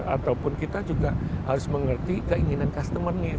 ataupun kita juga harus mengerti keinginan customer nya